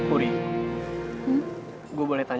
uri gue boleh tanya